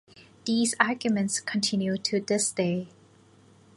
These arguments continue to this day.